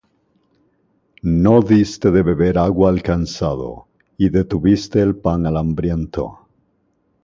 No diste de beber agua al cansado, Y detuviste el pan al hambriento.